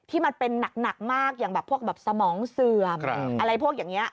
มันเป็นหนักมากอย่างแบบพวกแบบสมองเสื่อมอะไรพวกอย่างนี้